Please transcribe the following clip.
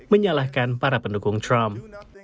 menyalahkan para pendukung trump